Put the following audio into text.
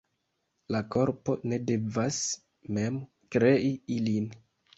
La korpo ne devas mem krei ilin.